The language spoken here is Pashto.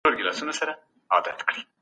د دوی تېروتني د دولت د کمزورتیا سبب سوي.